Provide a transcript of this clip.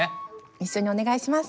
一緒にお願いします。